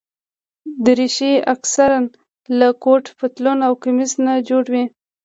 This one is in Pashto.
دریشي اکثره له کوټ، پتلون او کمیس نه جوړه وي.